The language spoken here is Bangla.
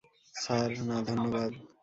স্যার, না ধন্যবাদ।